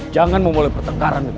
jangan memulai pertengkaran dengan dia